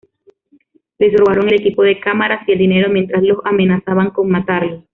Les robaron el equipo de cámaras y el dinero mientras los amenazaban con matarlos.